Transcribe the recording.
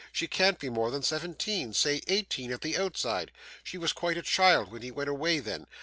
She can't be more than seventeen say eighteen at the outside. She was quite a child when he went away, then.